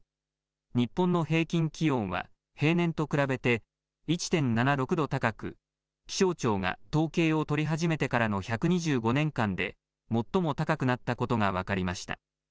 日本の平均気温は平年と比べて１．７６度高く、気象庁が統計を取り始めてからの１２５年間で、最も高くなったことが分かりました。